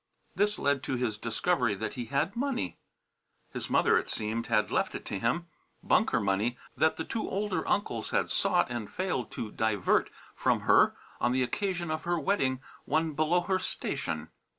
This led to his discovery that he had money. His mother, it seemed, had left it to him; Bunker money that the two older uncles had sought and failed to divert from her on the occasion of her wedding one below her station.